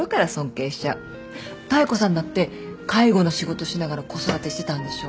妙子さんだって介護の仕事しながら子育てしてたんでしょ？